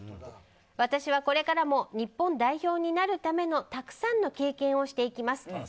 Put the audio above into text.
私はこれからも日本代表になるためのたくさんの経験をしていきます。